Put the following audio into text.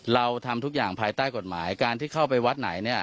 เราทำทุกอย่างภายใต้กฎหมายการที่เข้าไปวัดไหนเนี่ย